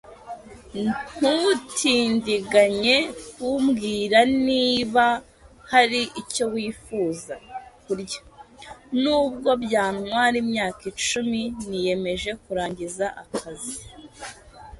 Ntutindiganye kumbwira niba hari icyo wifuza kurya. Nubwo byantwara imyaka icumi, niyemeje kurangiza akazi.